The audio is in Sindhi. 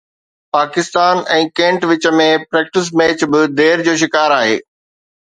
پاڪستان ۽ ڪينٽ وچ ۾ پريڪٽس ميچ به دير جو شڪار آهي